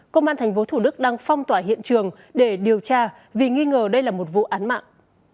công an tp thủ đức đang phong tỏa hiện trường để điều tra vì nghi ngờ đây là một vụ án mạng